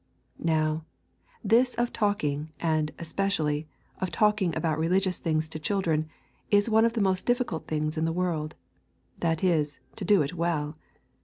Now, this of talking, and, especially, of talking about religious things to children, is one of the most difficult things in the world, that is, to do it well.